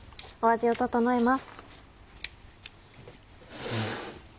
味を調えます。